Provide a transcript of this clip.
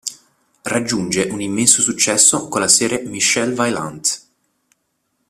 Raggiunge un immenso successo con la serie "Michel Vaillant".